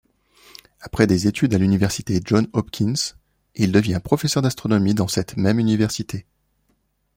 Après des études à l'Université Johns-Hopkins, il devient professeur d'astronomie dans cette même université.